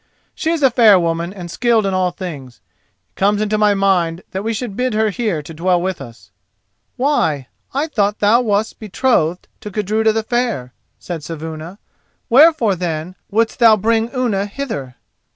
She is a fair woman and skilled in all things. It comes into my mind that we should bid her here to dwell with us." "Why, I thought thou wast betrothed to Gudruda the Fair," said Saevuna. "Wherefore, then, wouldst thou bring Unna hither?"